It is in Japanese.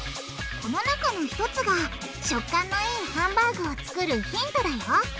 この中の１つが食感のいいハンバーグを作るヒントだよ！